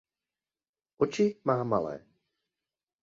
Oči má malé.